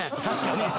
確かに！